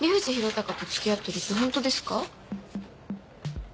嵩と付き合ってるってホントですか？